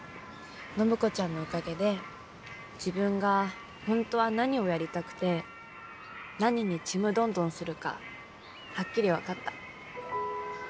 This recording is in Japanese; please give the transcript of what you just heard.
暢子ちゃんのおかげで自分が本当は何をやりたくて何にちむどんどんするかはっきり分かった。